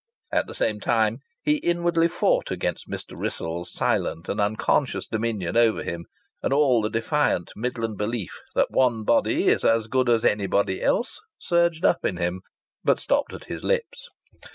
At the same time he inwardly fought against Mr. Wrissell's silent and unconscious dominion over him, and all the defiant Midland belief that one body is as good as anybody else surged up in him but stopped at his lips.